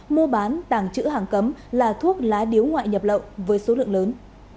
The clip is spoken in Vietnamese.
mua bán tàng trữ hàng cấm là thuốc lá điếu ngoại nhập lậu với số lượng lớn